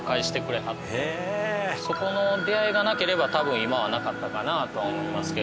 そこの出会いがなければ多分今はなかったかなとは思いますけれども。